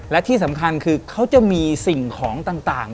และที่สำคัญคือเขาจะมีสิ่งของต่าง